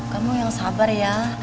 kamu yang sabar ya